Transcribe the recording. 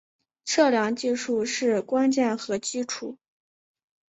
测量技术是关键和基础。